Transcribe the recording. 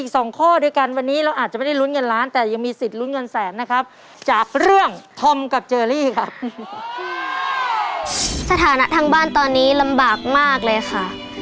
สถานะทางบ้านตอนนี้ลำบากมากเลยค่ะ